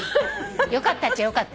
よかったっちゃよかった。